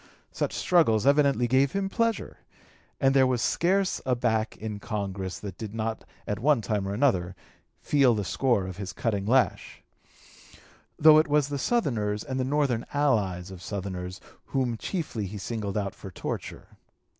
Such struggles evidently gave him pleasure, and there was scarce a back in Congress that did not at one time or another feel the score of his cutting lash; though it was the Southerners and the Northern allies of Southerners whom chiefly he singled out for torture.